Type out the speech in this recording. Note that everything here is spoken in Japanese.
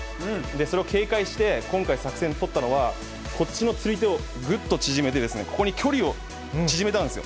それを警戒して、今回、作戦を取ったのは、こっちのつり手をぐっと縮めて、ここに距離を縮めたんですよ。